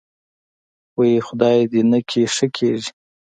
وۍ خدای دې نکي ښه کېږې.